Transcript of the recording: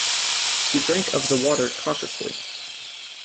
He drank of the water cautiously.